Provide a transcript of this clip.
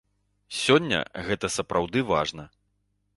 Сёння гэта сапраўды важна.